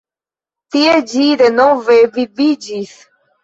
Tie ĝi denove viviĝis.